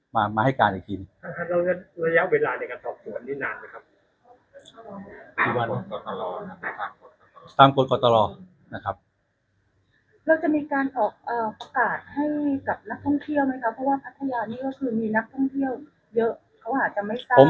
เพราะว่าพัทยานี่ก็คือมีนักท่องเที่ยวเยอะเขาอาจจะไม่สร้าง